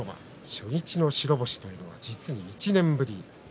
初日の白星というのは実に１年ぶり。